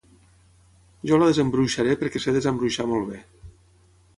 Jo la desembruixaré perquè sé desembruixar molt bé